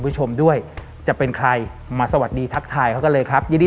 ผู้ชมด้วยจะเป็นใครมาสวัสดีทักทายเขากันเลยครับยินดี